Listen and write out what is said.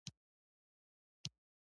ما وويل نه يم خپه.